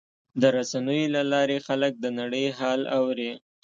د رسنیو له لارې خلک د نړۍ حال اوري.